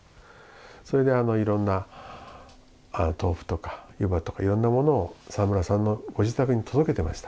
それでいろんなとうふとかゆばとかいろんなものを沢村さんのご自宅に届けてました。